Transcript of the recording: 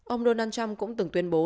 ông donald trump cũng từng tuyên bố